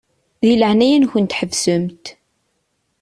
Di leɛnaya-nkent ḥebsemt.